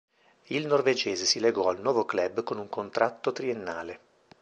Il norvegese si legò al nuovo club con un contratto triennale.